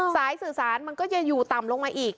สายสื่อสารมันก็จะอยู่ต่ำลงมาอีก